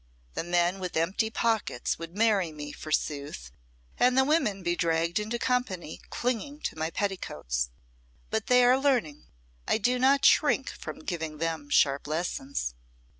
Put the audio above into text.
The men with empty pockets would marry me, forsooth, and the women be dragged into company clinging to my petticoats. But they are learning. I do not shrink from giving them sharp lessons."